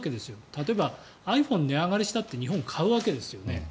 例えば、ｉＰｈｏｎｅ値上がりしたって日本は買うわけですよね。